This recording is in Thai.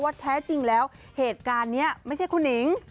แท้จริงแล้วเหตุการณ์นี้ไม่ใช่คุณหนิง